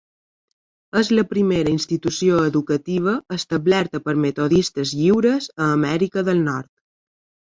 És la primera institució educativa establerta per metodistes lliures a Amèrica del Nord.